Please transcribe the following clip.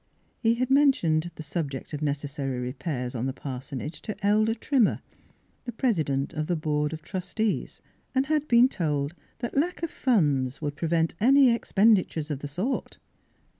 He had mentioned the subject of necessary repairs on the parsonage to Elder Trimmer, the presi dent of the board of trustees, and had been told that lack of funds would prevent any expenditures of the sort.